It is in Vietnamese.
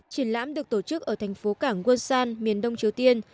triển lãm được tổ chức ở thành phố cảng quân san miền đông triều tiên